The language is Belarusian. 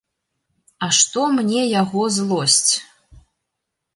А што мне яго злосць?